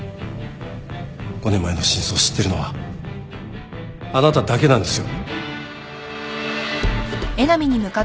５年前の真相を知ってるのはあなただけなんですよ。